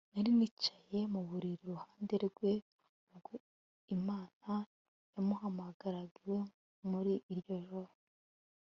nari nicaye mu buriri iruhande rwe ubwo imana yamuhamagaraga iwe muri iryo joro